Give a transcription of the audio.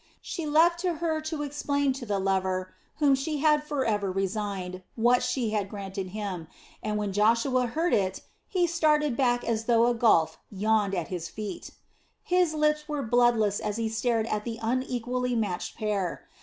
She left to Hur to explain to the lover whom she had forever resigned what she had granted him, and when Joshua heard it, he started back as though a gulf yawned at his feet. His lips were bloodless as he stared at the unequally matched pair.